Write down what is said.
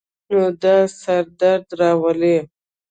نو دا سر درد راولی